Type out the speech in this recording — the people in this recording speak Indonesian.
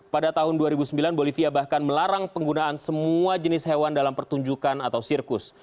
pada tahun dua ribu sembilan bolivia bahkan melarang penggunaan semua jenis hewan dalam pertunjukan atau sirkus